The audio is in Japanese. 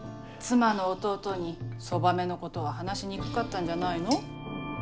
妻の弟にそばめのことは話しにくかったんじゃないの。